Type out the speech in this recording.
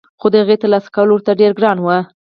خو دهغې ترلاسه کول ورته ډېر ګران وو